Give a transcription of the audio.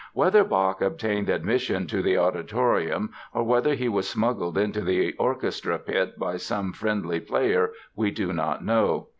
Whether Bach obtained admission to the auditorium or whether he was smuggled into the orchestra pit by some friendly player we do not know.